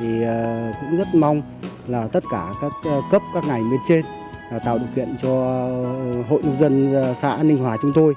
thì cũng rất mong là tất cả các cấp các ngành bên trên tạo điều kiện cho hội nông dân xã ninh hòa chúng tôi